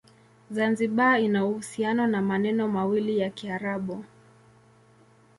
Zanzibar ina uhusiano na maneno mawili ya Kiarabu.